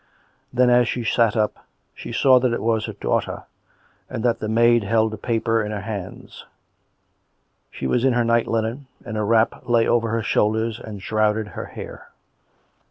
Then, as she sat up, she saw that it was her daughter, and that the maid held a paper in her hands; she was in her night linen, and a wrap lay over her shoulders and shrouded her hair.